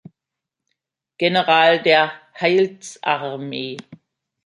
General der Heilsarmee.